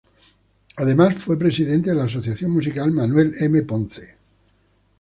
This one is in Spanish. Además fue presidenta de la Asociación Musical Manuel M. Ponce.